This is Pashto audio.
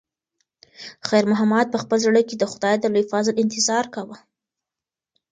خیر محمد په خپل زړه کې د خدای د لوی فضل انتظار کاوه.